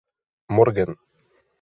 Morgan.